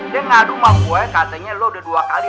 dia ngadu mah gue katanya lu udah dua kali